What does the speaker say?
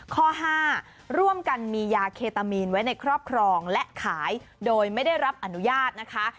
ข้อ๕ร่วมกันมียาเคตามีนไว้ในครอบครองและขายโดยไม่ได้รับอนุญาตนะคะ